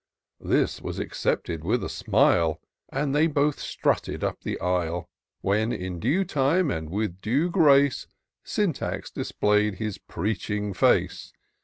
This was accepted with a smile. And they both strutted up the aisle ; When, in due time, and with due grace, Syntax display'd his preaching face.